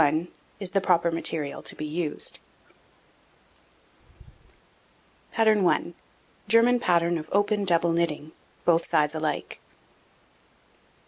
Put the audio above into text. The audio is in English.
1, is the proper material to be used. I. German Pattern of Open Double Knitting, both Sides alike.